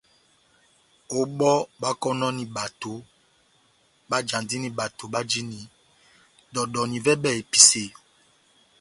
Ó bɔ́ báhákɔnɔni bato, báhájandini bato bajini dɔdɔ na ivɛbɛ episeyo.